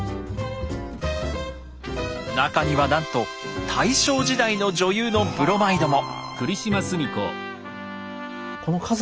中にはなんと大正時代の女優のブロマイドも！